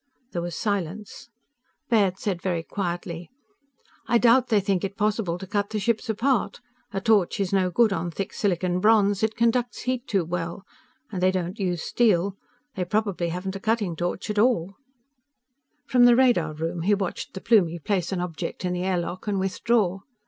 _" There was silence. Baird said very quietly: "I doubt they think it possible to cut the ships apart. A torch is no good on thick silicon bronze. It conducts heat too well! And they don't use steel. They probably haven't a cutting torch at all." From the radar room he watched the Plumie place an object in the air lock and withdraw.